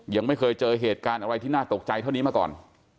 ยังไม่เคยเจอเหตุการณ์อะไรที่น่าตกใจเท่านี้มาก่อน